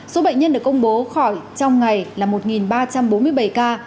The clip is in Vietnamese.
số bệnh nhân được công bố khỏi trong ngày là một ba trăm bốn mươi bảy ca